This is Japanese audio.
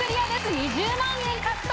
２０万円獲得。